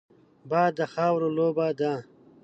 باد د خاورو لوبه ده